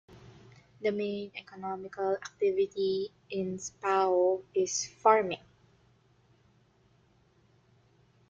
The main economical activity in Spaoh is farming.